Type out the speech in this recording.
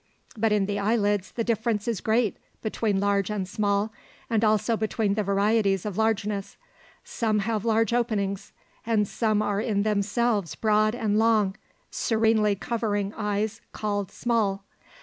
But in the eyelids the difference is great between large and small, and also between the varieties of largeness. Some have large openings, and some are in themselves broad and long, serenely covering eyes called small.